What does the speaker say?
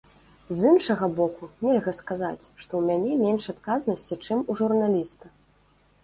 З іншага боку, нельга сказаць, што ў мяне менш адказнасці, чым у журналіста.